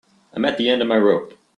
I'm at the end of my rope.